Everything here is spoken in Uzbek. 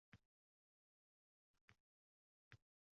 Asosiy e’tiborni inson ongi va tafakkurini tahlil qilishga qaratgan